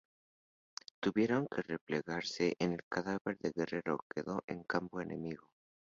Tuvieron que replegarse y el cadáver de Guerrero quedó en campo enemigo.